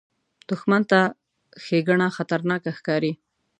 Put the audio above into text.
دښمن ته ښېګڼه خطرناکه ښکاري